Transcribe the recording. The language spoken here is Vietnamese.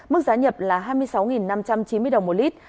mức giá nhập là hai mươi sáu năm trăm chín mươi đồng một lít